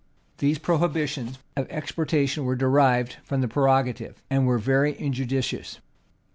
These prohibitions of exportation were derived from the prerogative, and were very injudicious.